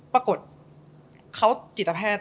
ปรากฏเขาจิตแพทย์